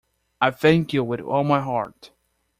I thank you with all my heart.